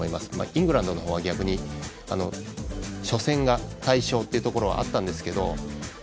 イングランドの方は逆に、初戦が大勝というところがあったんですけれども。